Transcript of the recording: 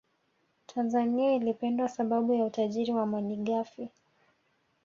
tanzania ilipendwa sababu ya utajiri wa mali ghafi